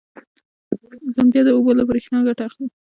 زمبیا د اوبو له برېښنا ګټه اخلي.